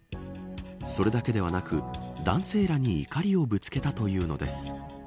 それだけではなく男性らに怒りをぶつけたというのです。